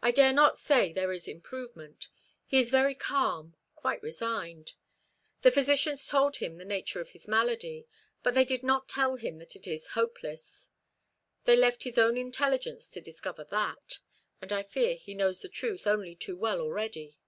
"I dare not say there is improvement. He is very calm, quite resigned. The physicians told him the nature of his malady; but they did not tell him that it is hopeless. They left his own intelligence to discover that; and I fear he knows the truth only too well already.